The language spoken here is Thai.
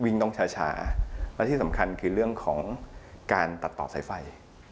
ต้องช้าและที่สำคัญคือเรื่องของการตัดต่อสายไฟ